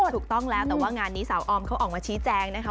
ถูกต้องแล้วแต่ว่างานนี้สาวออมเขาออกมาชี้แจงนะคะ